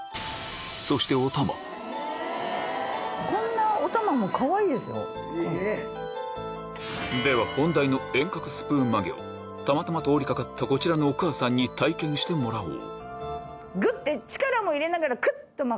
そしてでは本題の遠隔スプーン曲げをたまたま通り掛かったこちらのお母さんに体験してもらおう！